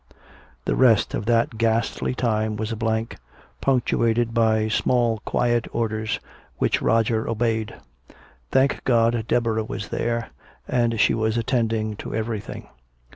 The rest of that ghastly time was a blank, punctuated by small quiet orders which Roger obeyed. Thank God, Deborah was there, and she was attending to everything.